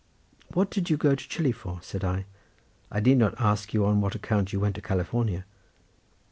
"What did you go to Chili for?" said I; "I need not ask you on what account you went to California."